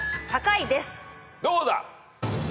どうだ？